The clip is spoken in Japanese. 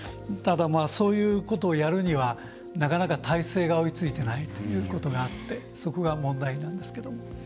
ただ、そういうことをやるにはなかなか体制が追いついてないということがあってそこが問題なんですけども。